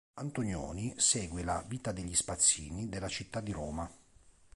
Antonioni segue la vita degli spazzini della città di Roma.